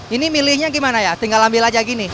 ini milihnya gimana ya tinggal ambil aja gini